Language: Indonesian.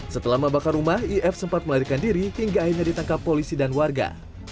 setelah membakar rumah if sempat melarikan diri hingga akhirnya ditangkap polisi dan warga